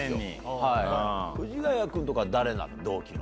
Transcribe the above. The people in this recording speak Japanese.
藤ヶ谷君とか誰なの？